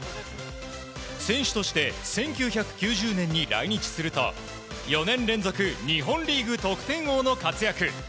選手として１９９０年に来日すると４年連続日本リーグ得点王の活躍。